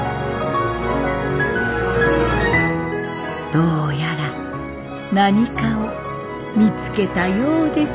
どうやら何かを見つけたようです。